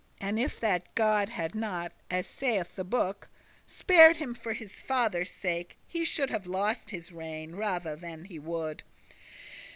*the true And if that God had not (as saith the book) Spared him for his father's sake, he should Have lost his regne* rather than he would.